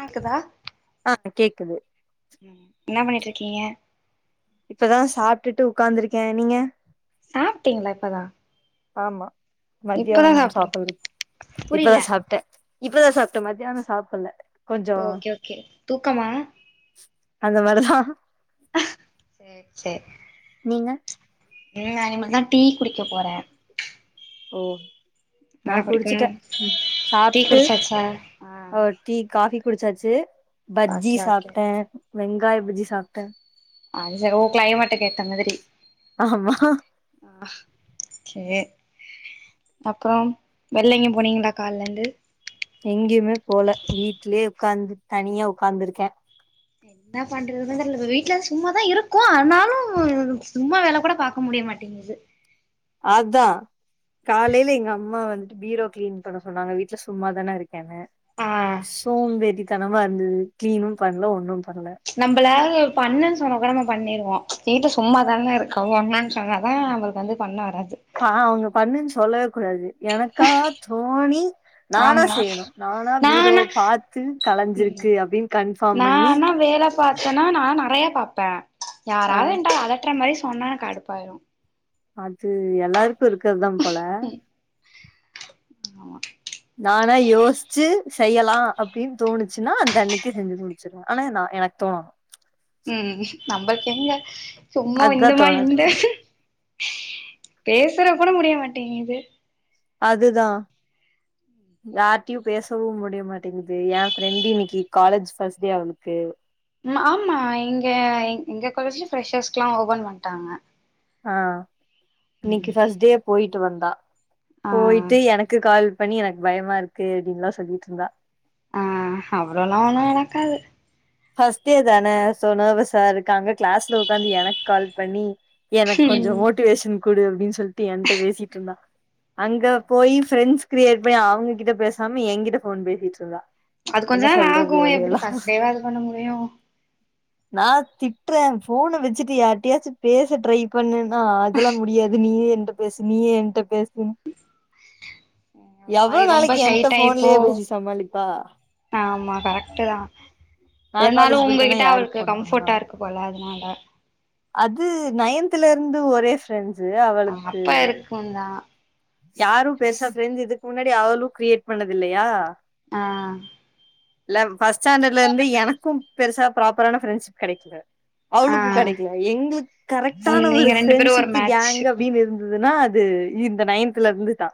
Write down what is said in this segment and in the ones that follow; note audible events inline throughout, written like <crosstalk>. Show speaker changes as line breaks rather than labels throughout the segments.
ஆக்குதா
அ கேக்குது
என்னாப் பண்ணிட்டுருக்கீங்க
இப்பதா சாப்பிட்டுட்டு உக்காந்திருக்கே நீங்க
சாப்பிட்டீங்களா இப்பதா
ஆமா
இப்பதா
மத்தியானோ
சாப்டு
சாப்பாடு
புரியல
இப்பதா சாப்பிட்டே இப்பதா சாப்டே மத்தியானோ சாப்படல
ஓகே ஓகே தூக்கமா
அந்த மாரிதா
சேர் சே
நீங்க
ம் இனிமேல் தா டீ குடிக்க போறே
ஓ நா
என்ன குடிக்கணு
குடிச்சுட்டே ம்
டீ
சாப்டு
குடிச்சாச்சா ஆ
ஓ டீ காஃபி குடிச்சாச்சு பஜ்ஜி
ஓகே ஓகே
சாப்டே வெங்காய பஜ்ஜி சாப்டே
அஞ்சர ஓ கிளைமேட்டுக்கேத்த மாதிரி
ஆமா
ஆ சே அப்புறம் வெள்ல எங்கயு போனீங்களா கால்ல இருந்து
எங்கியுமே போல வீட்லயே உக்காந்து தனியா உக்காந்திருக்கே
என்னாப் பண்றதுனே தெர்ல வீட்டு்ல சும்மாதா இருக்கு ஆனாலு சும்மா வேல கூட பாக்க முடிய மாட் டிங்குது
அதா காலையில எங்க அம்மா வந்துட்டு பீரோ கிளீன் பண்ண சொன்னாங்க வீட்ல சும்மாதான இருக் கனு
ஆ
சோம்பேறிதனமா இருந்து கிளீனு பண்ணல ஒண்ணும் பண்ணல
நம்மள பண்ணன்னு சொன்னா கூட நாம பண்ணிருவோ வீட்ல சும்மாதானே இருக்க பண்ணுன்னு சொ ன்னாதா நமளுக்கு வந்து பண்ண வராது
பா அவுங்க பண்ணுன்னு சொல்லவே கூடாது எனக்கா தோணி நானா
ஆமா
செய்யணு நானா பீரோவ பாத்து கலைஞ்சிருக்கு அப்டின்னு கன்ஃபார்ம் பண்ணி
நானா வேல பாத்தேன்னா நா நெறைய பாப்பே
ஆ
யாராது என்ட அதட்ற மாரி சொன்னா கடுப்பாயிரு
அது எல்லாருக்கு இருக்கறது தா போல
ம் ஆமா
நானா யோசிச்சு செய்யலா அப்டின்னு தோணுச்சுன்னா அந்த அன்னைக்கி செஞ்சு முடிச்சு டுவ ஆனா நா எனக்கு தோணனு
ம் நம்மளுக்கு எங்க சும்மா
அதுதா
இன்னுமா
தோணாது
இந்த பேசற கூட முடிய மாட்டேங்கிது
அதுதா யார்டயு பேசவும் முடிய மாட்டேங்கிது எ ஃப்ரெண்டு இன்னைக்கி காலேஜ் பஸ்ட் டே அவுளுக்கு
ம் ஆமா இங்க எங்க காலேஜுல ப்ரெஷர்ஸ்க்கல்லா ஓபன் பண்ட்டாங்க
ஆ இன்னைக்கு ஃபஸ்ட் டே போய்ட்டு வந்தா
ஆ
போய்ட்டு என க்கு கால் பண்ணி எனக்கு பயமா இருக்கு அப்டின்லா சொல்லிட்டு இருந்தா
ஆ அவ்ளோல ஒன்னு நடக்காது
ஃபர்ஸ்ட் டே தானே சோ நர்வசா இருக்கு அங்க க்ளாஸ்ல ஒக்காந்து எனக்கு கால் பண்ணி எனக்
ம்
கொஞ்சோ மோட்டிவேஷன் குடு அப்டின்னு சொல் ட்டு என்ட பேசிட்டு இருந்தா அங்க போய் ஃப்ரெண்ட்ஸ் கிரீயேட் பண்ணி அவுங்ககிட்ட பேசாம என்கிட்ட ஃபோன் பேசிட் இருந்தா
அது கொஞ்ச
என்ன
நாள்
சொல்றது
ஆகு எப்டி
இவளையெல்லா
ஃபர்ஸ்ட் டே வா இது பண்ண முடியு
நா திட்றே ஃபோன்ன வச்சுட்டு யாரிட்டயாச்சு பேச ட்ரை பண்ணுன்னா அதெல்லா முடியாது நீயே என்ட பேசு நீயே என்ட பேசுன் எவ்ளோ
வாய் ரொம்ப
நாளைக்கி
ஷை
என்ட
டைப்போ
ஃபோன்லியே பேசி சமாளிப்பா
ஆமா கரெக்டு தா
நா
என்னாலு
காலேஜ் போயிட்டேன்னா
உங்ககிட்ட
யாருக்கு
அவளுக்கு
ஃபோன் பண்ணுவா
கம்ஃபர்ட்டா இருக்கு போல அதுனால
அது நயன்த்துலேருந்து ஒரே ஃப்ரெண்ட்ஸு
ஆ
அவளுக்கு
அப்ப இருக்குந்தா
யாரு பெருசா செஞ்சு இதுக்கு முன்னாடி அவ்ளு கிரீயேட் பண்ணது இல்லயா
ஆ
இல்ல ஃபஸ்ட் ஸ்டாண்டர்ட்ல இருந்து எனக்கு பெருசா ப்ராப்பரான ஃப்ரெண்ட்ஷிப் கெடைக்கல
ஆ
அவ்ளுக்கு கெடைக்கல எங்களுக்கு
ம்
கரெக்ட்டான ஒரு
நீங்க ரெண்டு பேரு ஒரு
ஃப்ரெண்ட்ஷிப்
மேட்ச்
கேங் அப்டின்னு இருந் துனா அது இந்த நைன்த்ல இருந்து தா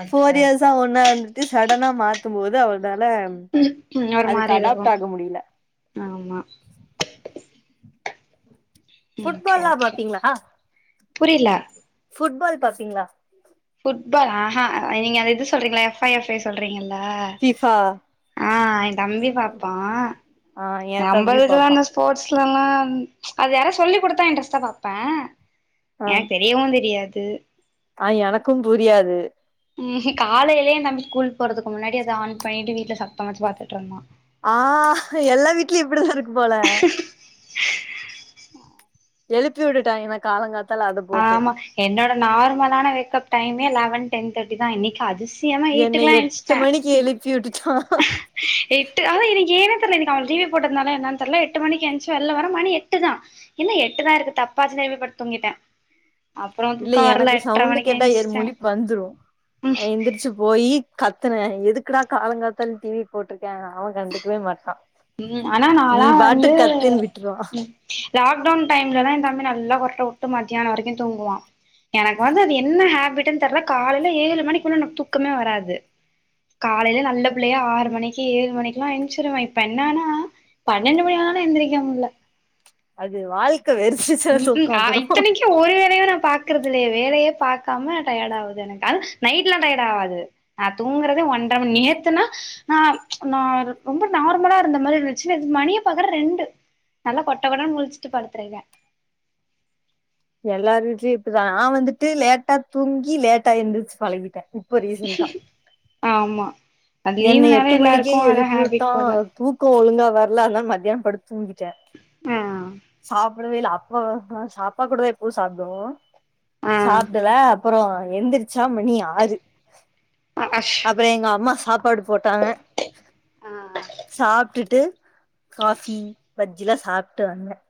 ஓகே
ஃபோர் இயர்ஸ் ஸ
ஓகே
ஒன்னா இருந்துட்டு சடனா மாத்துபோது அவ்னால
ம் ஒரு
அதுக்கு
மாரி இருக்கு
அடாப்ட் ஆக முடிய்ல
ஆமா ஓகே
ஃபுட்பால்லா
ஓகே
பாப்பீங்களா
புரில
ஃபுட்பால் பாப்பீங்களா
ஃபுட்பால் ஆஹா நீங்க அது இது சொல்றீங்களா எஃப் ஐ எஃப் ஏ சொல்றீங்கல்ல
ஃபிஃபா
ஆ எ தம்பி பாப்பா
ஆ என் தம்பி
நம்பளுக்கல்லா
பாப்பான்
இந்த ஸ்போர்ட்ஸ்லல்லா அது யாரா சொல்லி குடுத்தா இன்ட்ரெஸ்ட்டா பாப்பே
ஆ
எனக்கு தெ ரியவு தெரியாது
ஆ எனக்கு புரியாது
ம் காலையிலே ஏ தம்பி ஸ்கூல் போறதுக்கு முன்னாடி அத ஆன் பண்ணிட்டு வீட்ல சத்தமா வச்சு பாத்துட்டு இருந்தா
ஆ எல்லா வீட்லயு இப்டிதா இருக்கு போல எழுப்பி விட்டுட்டா என்னா காலங் காத்
ஆமா என்னோட நார்மலான வேக்கப் டைமே லெவன் டென் தேர்ட்டி தா இன்னைக்கு அதிஷ் சியமா
என்னை
ஈட்டுக்கல்லா
எட்டு
ஏஞ்ச்சுட்டே
மணிக்கு எழுப்பி விட்டுட்டா
எட்டு அதா இன்னைக்கி ஏனே தெர்ல இன்னைக்கு அவ டி வி போட்டதுனால என்னன்னு தெர்ல எட்டு மணிக்கெஞ்சு வெள்ல வர மணி எட்டு தா என்ன எட்டுதா இருக்கு தப்பாச்சு திரும்பிப்படுத்து தூங்கிட்டே அப்புறோ
இல்ல
தூக்கோ வரல
எனக்கு
எட்ர
சவுண்டு
மணிக்கு
கேட்டா ஏறு
எந்திச்சிட்டே
முழிப் வந்துரு
ம்
ஆ எந்திருச்சுப் போயி கத்துனே எதுக்குடா காலங்காத்தால டி வி போட்டிருக்கே அவ கண்டுக்கவே மாட்டா
ம் ஆனா
நீ
நாலா வந்து
பாட்டுக்கு கத்துன்னு விட்ருவா
லாக்டவுன் டைம்லலா எ தம்பி நல்லா கொரட்ட வுட்டு மத்தியான வரைக்கு தூங்குவா எனக்கு வந்து அது என்ன ஹேபிடன்னு தெர்ல காலையில ஏழு மணிக்குள் எனக்கு தூக்கமே வராது காலையில நல்ல பிள்ளையா ஆறு மணிக்கு ஏ மணிக்கெல்லா எஞ்ச்சுருவ இப்ப என்னான்னா பன்னெண்டு மணி ஆனாலு எந்திரிக்க முட்ல
அது வாழ்க்கை வெறுச்சிச்ச தூக்க வந்துரு
இல்ல ஒரு வேலையு நா பாக்குறது இல்லையே வேலையே பாக்காம டயர்ட் ஆகுது எனக்கு அது நைட்லா டயர்ட் ஆவாது நா தூங்குறதே ஒன் டைம் நேத்துனா ஆ நா ரொம்ப நார்மலா இருந்த மாரி இருந்துச்சு நேத்து மணிய பாக்கற ரெண்டு நல்லா கொட்டக்கொட்ட முழிச்சுட்டு படுத்துருக்க
எல்லாரு வீட்லயும் இப்படிதான் நா வந்துட்டு லேட்டா தூங்கி லேட்டா எந்திருச்சு பழகிட்டேன் இப்ப ரீசன்ட்டா
ஆமா அது
என்ன
லீவுனாலே
எட்டு மணிக்கே
எல்லாருக்கு அதா
எலுப்பியுட்ட
ஹேபிட் போல
தூக்கே ஒழுங்கா வரல அதா மதியானம் படுத்து தூங்கிட்டடேன்
ஆ
சாப்படவே இல்ல அப்ப அப்பா கூடதா எப்பவும் சாப்டுவோம்
ஆ
சாப்டல அப்பறோம் எந்திரிச்சா மணி ஆறு
அஷ்
அப்புறம் எங்க அம்மா சாப்பாடு போட்டாங்க
ஆ
சாப்டுட்டு காஃபி பஜ்ஜில்லாம் சாப்டிட்டு வந்தேன்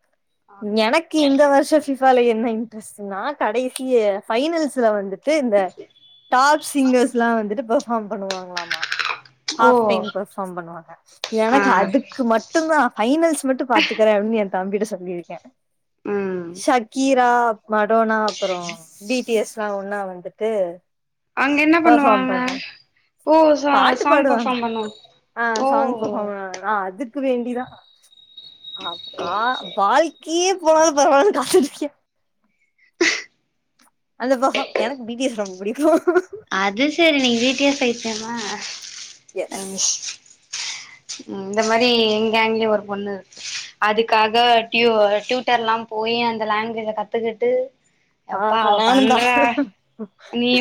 ஓகே ஓகே.
எனக்கு இந்த வருஷம் பிஃபால என்ன இன்ட்ரெஸ்டனா கடைசி பைனல்ஸ்ல வந்துட் இந்த டாப் சிங்கர்ஸ் எல்லாம் வந்துட்டு பெர்பார்ம் பண்ணுவாங்களாமா
ஓ
ஹாப் டைம் கோசம் பண்ணுவாங்க
ஆ
எனக்கு அதுக்கு மட்டும் தான் பைனல்ஸ் மட்டும் பாத்துக்கறேன் அப்படின்னு என் தம்பிட்ட சொல்லியிருக்கேன்
ம்
ஷக்கீரா மா அரோவனா அப்பறோம் டி ட்டி எஸ் லாம் ஒன்னா வந்துட்டு
அங்க என்ன
பெர்ஃபார்ம்
பண்ணுவாங்க
பண்றாங்க
போ சா
பாட்டு
சாங்
பாடுவாங்க
பெர்ஃபார்ம் பண்ணவா
ஆ சாங் பெர்ஃபார்ம் அதுக்கு வேண்டிதான் அக்கா வாழ் கையே போனாலும் பரவால்ல <inaudible> அந்த பகம் எனக்கு பீ டி எஸ் ரொம்ப பிடிக்கும்
அது சரி நீ பீடி எஸ் ஸா <inaudible> சமா
எஸ்
ம் இந்த மாதிரி எங்கேங்லயும் ஒரு பொண்ணு இருக்கு அதுக்காக டியூ டியூட்டர் எல்லாம் போய் அந்த லேங்குவேஜ கத்துக்கிட்டு அப்பா
ஆஹா
அவ
நானுந்தா
பண்ற நீ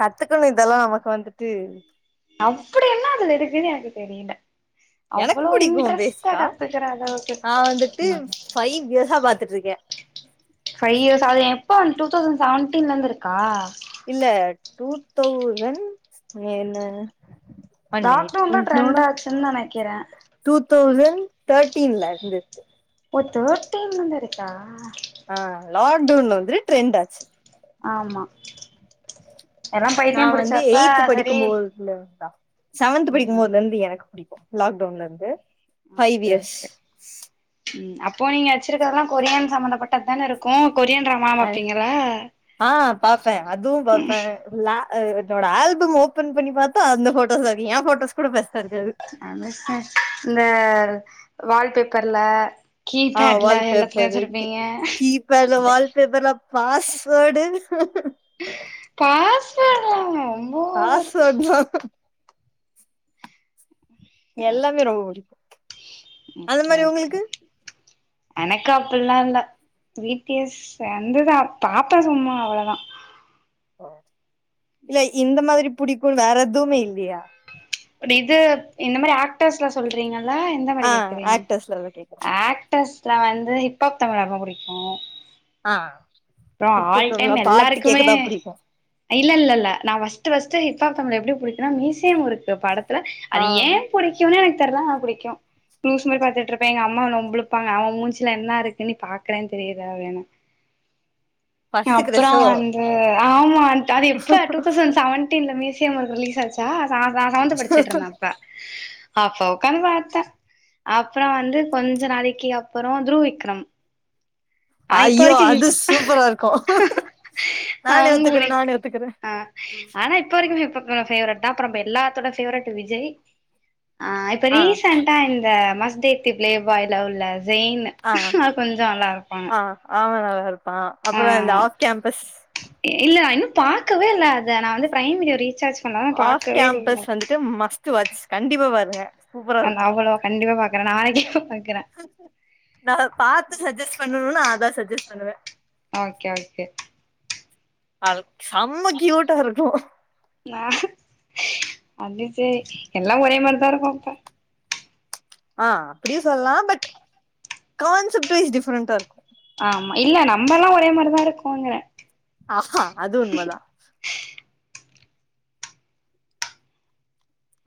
கத்துக்கனும் இதல்ல நமக்கு வந்துட்டு
அப்டி என்ன அதல இருக்குன்னு எனக்கு தெரில
எனக்கு
அவ்வளே
புடிக்கு
இன்ட்ரெஸ்ட
பேசிக்கா
கத்துக்குற அளவுக்கு
நா வந்துட்டு ஃபைவ் இயர்ஸா பாத்துட்ருக்கே
பைவ் இயர்ஸ்சாவே அது எப்ப டு டவுசண்ட் செவனாடீன்ல இருந்து இருக்கா
இல்ல டு டவுதெளசண்ட் என்ன ஒன் மினிட்
லாக்டவுன் தான்
என்னோட
ட்ரெண்ட் ஆச்சின்னு நெனைக்குறேன்
டூ டவுசெண்ட் தேட்டீண்ல இருந்து
ஒ தேர்டீன்ல இருந்து இருக்கா
ஆ லாக்டவுன் வந்து ட்ரெண்ட ஆச்சு
ஆமா எல்லா பைத்திய புடிச்சப்ப சரி
லவன்தா செவதன்த்
ம்
படிக்கும்போது இருந்து எனக்கு புடிக்கும் லாக்டவுன்ல இருந்து ஃபைவ்
ஒக்கே
இயர்ஸ்
ஒக்கே ம் அப்ப நீ வெச்சிருக்கதல்ல கொரியன் சம்மந்தப்பட்டதானே இருக்கும் கொரியன் ட்ராமா
அ
பாப்பீங்கல்ல
அ பாப்பேன் அதுவும் பாப்பேன் ல்லா என்னோட ஆல்பம் ஓபன் பண்ணி பாத்தா அந்த போட்டோஸ் இருக்கும் ய போட்டோஸ் கூட ஃபஸ்டாருக்காது
இந்த வால்பேப்பர்ல
ஆ
கீபேட்ல எல்லாத்துலயு
வால்பேப்பர்
வச்சிருப்பீங்க
கீ பேட்ல
அது
வால்பேப்பர்ல பாஸ்வேர்டு
பாஸ்வேடாங் ரொம்ப ஓவர்
பாஸ்வேடு தான் எல்லாமே ரொம்ப பிடிக்கும் அந்த
ஓகே
மாரி
ஓகே
உங்களுக்கு
எனக்கு அப்படில்லா இல்ல வீட்ல சேந்துதா பாப்ப சும்மா அவ்ளதா
இல்ல இந்த மாதிரி பிடிக்கும் வேற எதுமே இல்லயா
இப்ப இது இந்த மாதிரி ஆக்டர்ஸ்ல சொல்றீங்களல்ல எந்த மாதிரி
ஆ
கேக்குறீங்க
ஆக்டர்ஸ்ல தா கேக்குறே
டெஸ்ல வந்து ஹிப்ஹாப் தமிழி ரொம்ப புடிக்கும்
ஆ
ப்ரா
இப்ப
ஆல் டைம்
பாட்டு
எல்லாருக்குமே
கேக்கதா புடிக்கு
இல்ல இல்ல இல்ல நா first first hip hop Tamizha எப்டி புடிக்கனா மீசை முறுக்கு இருக்கு படத்துல
ஆ
அது ஏ புடிக்குன்னு எனக்கு தெர்ல ஆனா புடிக்கு லூசு மாறி பாத்துட்டுருப்பேன் எங்க அம்மா வந்து வம்பிழுப்பாங்க அவ மூஞ்சில என்ன இருக்குன்னு நீ பாக்குறன்னு தெரியல அப்டின்னும்
ஃபர்ஸ்ட்
அப்புறோ
கிரஷோ
வந்து ஆமா அது எப்ப டூ தௌசண்ட் செவன்டீன்ல ம்யூசியம் வந்து ரிலீஸ் ஆச்சி ச ச ச சவந்து படிச்சிட்டுருந்தேன் அப்ப அப்போ உக்காந்து பாத்தேன் அப்புறோ வந்து கொஞ்ச நாளைக்கி அப்புறோம் த்ருவிக்ரம்
ஐயோ அது சூப்பர இருக்கும்
அவங் புடிக்கும் ஆ ஆனா இப்ப <unintelligible> வரைக்குமே ஃபேவரைட் தாப்புறம் எல்லாத்தோட ஃபேவரட் விஜய் ஆ இப்ப
ஆ
ரீசன் டா இந்த மஸ்தேத்தி பிளே பாய்ல உள்ள ஜெயின்
ஆ
கொஞ்ச நல்லா இருப்பாங்க
ஆ ஆமா நல்லா இருப்பான்
ஆ
அப்புறம் இந்த ஆப் கேம்பஸ்
இல்ல இன்னும் பாக்கவே இல்ல அத நா வந்து ப்ரைம் மீடியோ ரீசார்ஜ் பண்ணா பாக்கவே இல்ல
மட்ஸ் வாட்ச் கண்டிப்பா வருவ
அன் அவ்ளோ கண்டிப்பா பாக்குற நாளைக்கே பாக்குற
நா பாத்து சஜெஸ்ட் பண்ணணுனா நாதா சஜெஸ்ட் பண்ணுவே
ஓகே ஓகே
ஆள் செம்ம கியூட்டாருக்கும்
நா அது சேரி எல்லாம் ஒரே மார்தான் இருப்போம் அப்ப
அ அப்டியு சொல்லலா பட் கான்செப்ட் வைஸ் டிஃப்ரெண்டா இருக்கு
ஆமா இல்ல நம்ம எல்லா ஒரே மார்தாருக்கோங்கிற
ஆஹ அது உண்மதா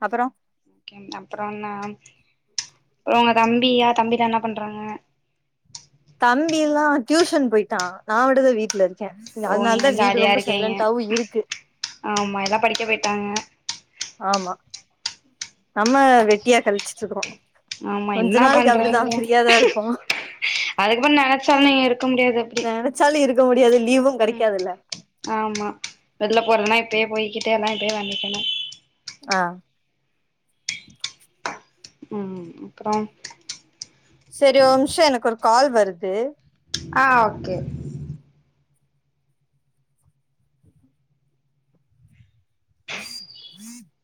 அப்புறம்
அப்புறம் நா ரங்க தம்பியா தம்பி தா என்ன பண்றாங்க
தம்பி எல்லா டியூஷன் போயிட்டான் நா மட்டு தா வீட்ல இருக் கே இங்க
ஓ
அதனால
நீங்க
தா வீடு
ஜாலியா
ரொம்ப
இருக்கீங்க
சைலண்டாவு இருக்கு
ஆமா எல்லா படிக்க போயிட்டாங்க
ஆமா நம்ம வெட்டியா கழிச்சிட்ருக்குறோ
ஆமா
கொஞ்ச நாளைக்கி அப்டிதா ஃப்ரீயாதா இருப்போ
அதுக்கப்புற நெனைச்சாலு நீங்க இருக்க முடியாது அப்டி
சாலு இருக்க முடியாது லீவும்
உம் ஆமா வெளில போறேன்னா இப்பயே போய்கிட்டே எல்லா இப்பயே வாங்கிக்கணு
அ
உம் அப்றோ
சேரி ஒரு நிம்ஷோ எனக்கு ஒரு கால் வருது
அ ஓகே
<inaudible>